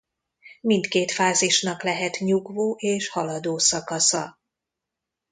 Mindkét fázisnak lehet nyugvó és haladó szakasza.